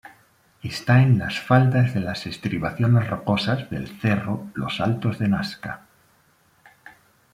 Esta en las faldas de las estribaciones rocosas del cerro Los Altos de Nasca.